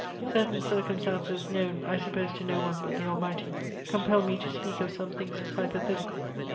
Certain circumstances, known, I suppose to no one but the Almighty, compel me to speak of some things as hypothetical.